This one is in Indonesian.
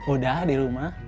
udah di rumah